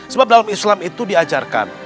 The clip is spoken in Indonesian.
sebab dalam islam itu diajarkan